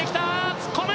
突っ込む！